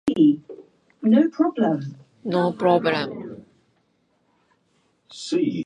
北海道倶知安町